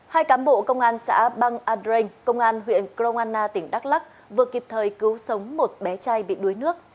hai cám bộ công an xã băng andren công an huyện kroana tỉnh đắk lắc vừa kịp thời cứu sống một bé trai bị đuối nước